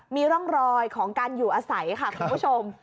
มีร่องรอยของการอยู่อาศัยค่ะคุณผู้ชม